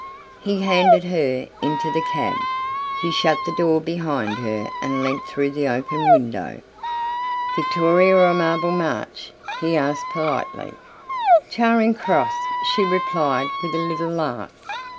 He handed her into the cab. He shut the door behind her and leant through the open window. "Victoria or Marble Arch?" he asked politely. "Charing Cross," she replied, with a little laugh.